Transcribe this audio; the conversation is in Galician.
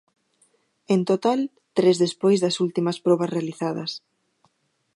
En total, tres despois das últimas probas realizadas.